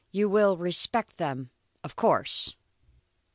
You will respect them of course.